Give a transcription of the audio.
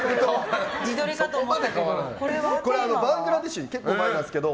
バングラデシュに結構前なんですけど